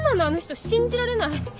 あの人信じられない。